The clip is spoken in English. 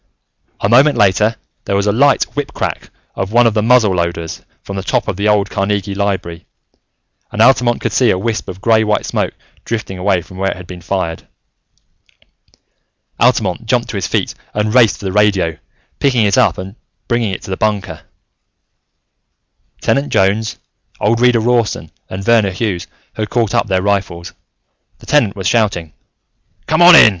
A moment later, there was a light whip crack of one of the muzzleloaders, from the top of the old Carnegie Library, and Altamont could see a wisp of grey white smoke drifting away from where it had been fired. Altamont jumped to his feet and raced for the radio, picking it up and bring it to the bunker. Tenant Jones, old Reader Rawson, and Verner Hughes had caught up their rifles. The Tenant was shouting. "Come on in!